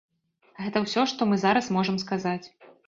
Гэта ўсё, што мы зараз можам сказаць.